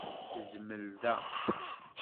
Zmel da.